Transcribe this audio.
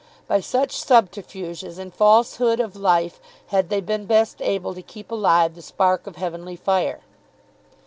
By such subterfuges and falsehood of life had they been best able to keep alive the spark of heavenly fire.